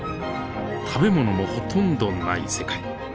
食べ物もほとんどない世界。